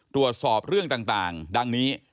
ตรวจสอบเรื่องต่างดังนี้